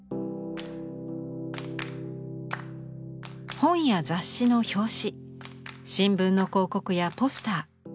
本や雑誌の表紙新聞の広告やポスター。